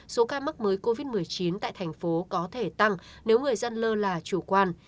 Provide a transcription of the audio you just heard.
số ca mắc mới covid một mươi chín tại thành phố có thể tăng nếu người dân lơ là chủ quan